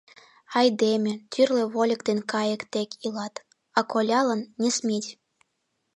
— Айдеме, тӱрлӧ вольык ден кайык тек илат, а колялан — не сметь!..